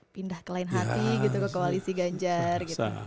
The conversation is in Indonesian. pindah ke lain hati gitu ke koalisi ganjar gitu